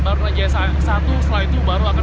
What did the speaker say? baru raja satu setelah itu baru akan